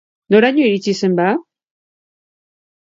Noraino iritsi zen, ba?